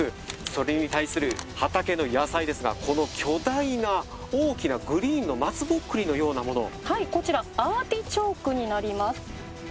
それに対する畑の野菜ですがこの巨大な大きなグリーンのマツボックリのようなものはいこちらアーティチョークになります